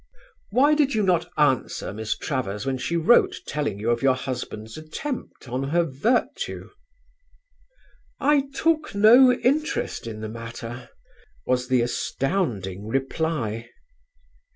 "Why did you not answer Miss Travers when she wrote telling you of your husband's attempt on her virtue?" "I took no interest in the matter," was the astounding reply.